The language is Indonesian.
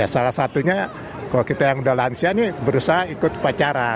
salah satunya kalau kita yang sudah lansia ini berusaha ikut upacara